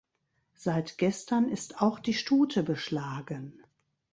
Seit gestern ist auch die Stute beschlagen.